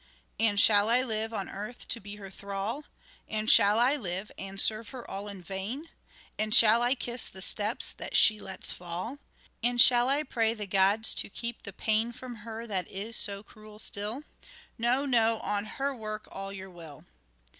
" And shall I live on earth to be her thrall ? And shall I live and serve her all in vain ? And shall I kiss the steps that she lets fall ? And shall I pray the gods to keep the pain From her that is so cruel still ? No, no, on her work all your will."